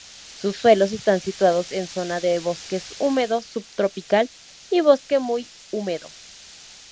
Sus suelos están situados en zonas de bosque húmedo subtropical y bosque muy húmedo.